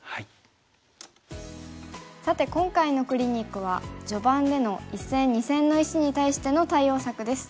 さて今回のクリニックは序盤での一線二線の石に対しての対応策です。